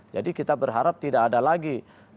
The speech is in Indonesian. jadi kita berharap tidak ada lagi